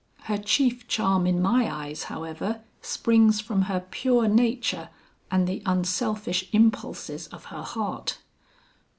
Her chief charm in my eyes, however, springs from her pure nature and the unselfish impulses of her heart."